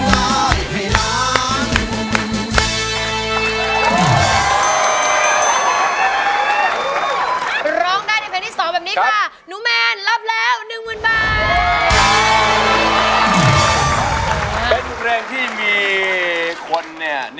คุณเมด